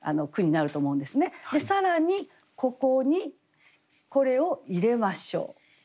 更にここにこれを入れましょう。